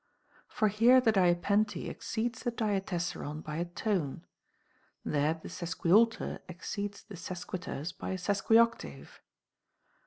For here the diapente exceeds the dia tessaron by a tone ; there the sesquialter exceeds the ses quiterce by a sesqnioctave.